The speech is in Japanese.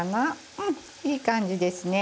うんいい感じですね。